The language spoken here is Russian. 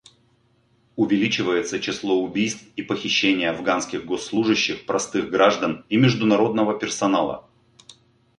Увеличивается число убийств и похищений афганских госслужащих, простых граждан и международного персонала.